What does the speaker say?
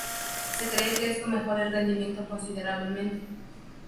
Se cree que esto mejora el rendimiento considerablemente.